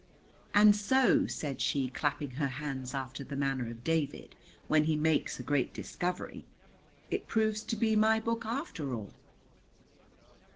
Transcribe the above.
"And so," said she, clapping her hands after the manner of David when he makes a great discovery, "it proves to be my book after all."